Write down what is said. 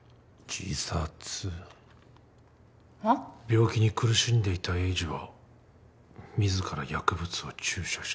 病気に苦しんでいた栄治は自ら薬物を注射して。